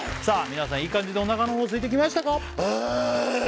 皆さんいい感じにおなかの方すいてきましたか？